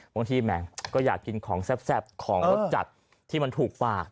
บางทีแหมก็อยากกินของแซ่บของรสจัดที่มันถูกปาก